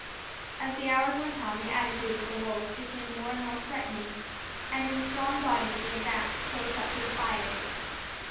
As the hours went on, the attitude of the wolves became more and more threatening, and in strong bodies they advanced close up to the fires.